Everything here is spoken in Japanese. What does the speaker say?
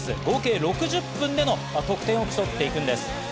合計６０分での得点を競っていくんです。